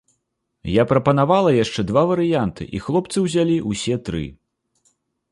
Я прапанавала яшчэ два варыянты і хлопцы ўзялі ўсе тры.